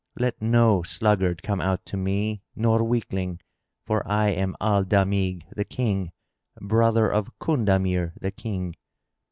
Let no sluggard come out to me or weakling; for I am Al Damigh, the King, brother of Kundamir the King."